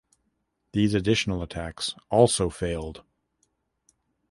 These additional attacks also failed.